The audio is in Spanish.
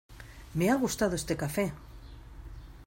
¡Me ha gustado este café!